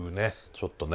ちょっとね